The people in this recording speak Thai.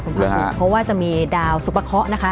เพราะว่าจะมีดาวซุปะเคาะนะคะ